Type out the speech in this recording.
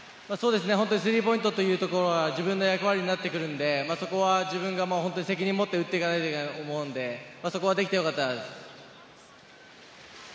スリーポイントというところは、自分の役割になってくるので、そこは自分が責任を持って打っていかないといけないと思うので、そこはできてよかったです。